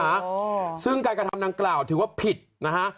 อ่าซึ่งการกระทำดังกล่าวถือว่าผิดนะฮะ